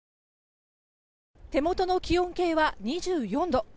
手元の気温計は２４度。